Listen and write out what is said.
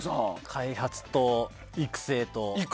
開発と育成と。